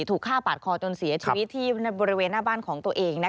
ถูกฆ่าปาดคอจนเสียชีวิตที่บริเวณหน้าบ้านของตัวเอง